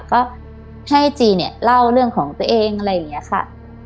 ก็ให้จีเนี่ยเล่าเรื่องของตัวเองอะไรอย่างนี้ค่ะ